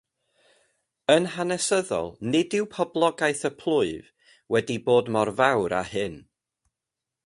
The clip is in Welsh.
Yn hanesyddol nid yw poblogaeth y plwyf wedi bod mor fawr â hyn.